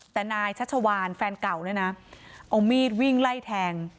แต่นายชัชวานแฟนเก่าเนี่ยนะเอามีดวิ่งไล่แทง